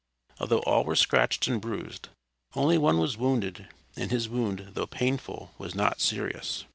Although all were scratched and bruised only one was wounded, and his wound, though painful, was not serious.